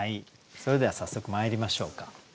それでは早速まいりましょうか。